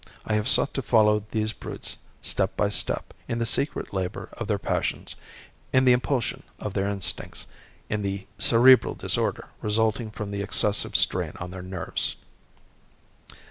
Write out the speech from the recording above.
I have sought to follow these brutes, step by step, in the secret labour of their passions, in the impulsion of their instincts, in the cerebral disorder resulting from the excessive strain on their nerves."